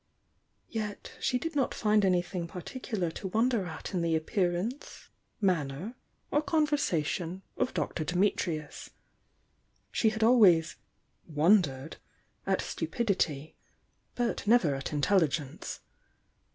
Yet she did not find anything particular to wonder at in the appearance, manner, or conversa tion of Dr. Dimitrius. She had always "wondered" at stupidity,— but never at intelligence.